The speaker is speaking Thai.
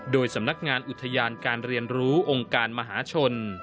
โดยสำนักงานอุทยานการเรียนรู้องค์การมหาชน